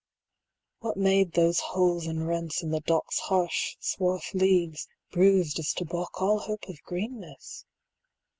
What made those holes and rents In the dock's harsh swarth leaves, bruised as to balk 70 All hope of greenness?